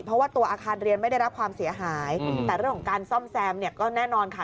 เพราะว่าตัวอาคารเรียนไม่ได้รับความเสียหายแต่เรื่องของการซ่อมแซมเนี่ยก็แน่นอนค่ะ